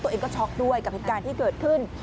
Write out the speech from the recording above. ตัวเองก็ช็อกด้วยกับเหตุการณ์ที่เกิดขึ้น